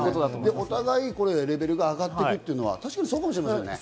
お互いレベルが上がっていくのは確かにそうかもしれませんね。